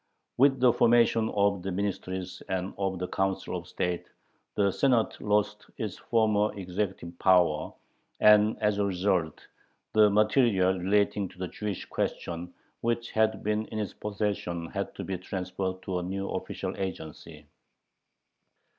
With the formation of the Ministries and of the Council of State the Senate lost its former executive power, and, as a result, the material relating to the Jewish question which had been in its possession had to be transferred to a new official agency.